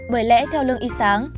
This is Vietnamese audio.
bởi lẽ theo lương y sáng